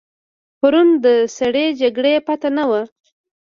پرون د سړې جګړې فتنه وه.